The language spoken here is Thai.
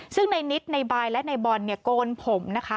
ซึ่งในนิตนายบายและนายบอลโกนผมนะคะ